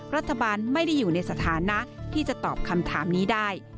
รัฐบาลไม่ได้อยู่ในสถานะที่จะตอบคำถามนี้ได้